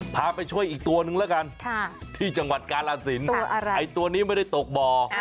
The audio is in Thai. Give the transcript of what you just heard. พาไปช่วยอีกตัวนึงแล้วกันที่จังหวัดกาลสินไอ้ตัวนี้ไม่ได้ตกบ่อ